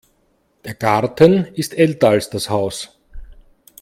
Der Garten ist älter als das Haus.